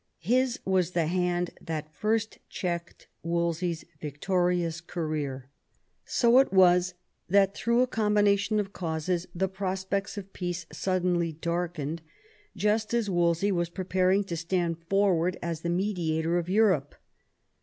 His was the hand that first checked Wolsey's victorious career. So it was that through a combination of causes the prospects of peace suddenly darkened just as Wolsey was preparing to stand forward as the mediator of Europe.